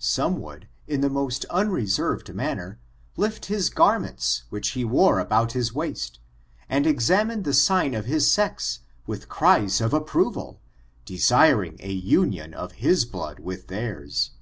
Some would, in the most unreserved manner, lift his garments which he wore about his waist^ and examine the sign of his sex with cries of approval, desiring a imion of his blood with theirs.